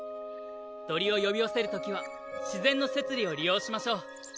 鳥を呼び寄せるときは自然の摂理を利用しましょう。